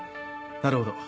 なるほど。